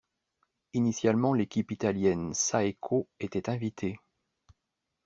Initialement, l'équipe italienne Saeco était invitée.